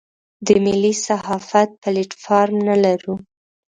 د ملي صحافت پلیټ فارم نه لرو.